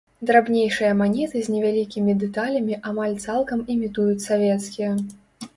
Драбнейшыя манеты з невялікімі дэталямі амаль цалкам імітуюць савецкія.